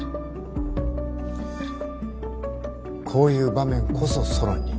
こういう場面こそソロンに。